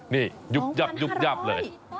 นี่ยุบยับเลย